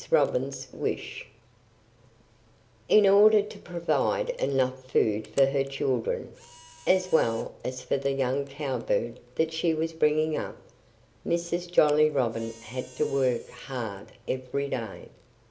ROBIN'S WISH IN order to provide enough food for her children as well as for the young Cowbird that she was bringing up Mrs. Jolly Robin had to work hard every day.